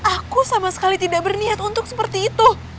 aku sama sekali tidak berniat untuk seperti itu